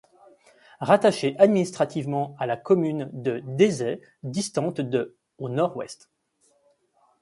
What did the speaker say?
Rattaché administrativement à la commune de Deshaies distante de au Nord-Ouest.